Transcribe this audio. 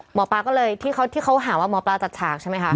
หมอปลาก็เลยที่เขาหาว่าหมอปลาจัดฉากใช่ไหมคะ